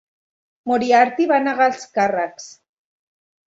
Moriarty va negar els càrrecs.